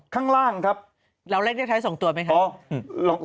ข้างล่างครับเราเลขที่ท้าย๒ตัวไหมครับ